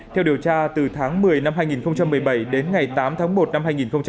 theo điều tra từ tháng một mươi năm hai nghìn một mươi bảy đến ngày tám tháng một năm hai nghìn một mươi bảy